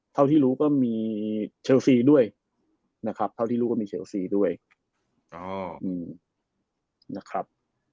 เท่าที่รู้ก็มีเชลสีด้วยนะครับ